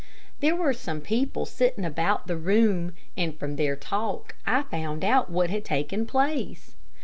There were some people sitting about the room, and, from their talk, I found out what had taken place.